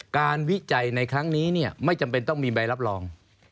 วิจัยในครั้งนี้ไม่จำเป็นต้องมีใบรับรอง